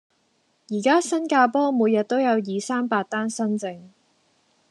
而家新加坡每日都有二、三百單新症